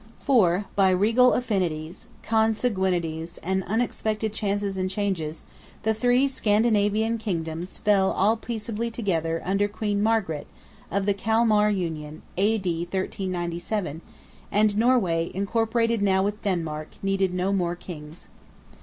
For, by regal affinities, consanguinities, and unexpected chances and changes, the three Scandinavian kingdoms fell all peaceably together under Queen Margaret, of the Calmar Union (A.D. 1397); and Norway, incorporated now with Denmark, needed no more kings.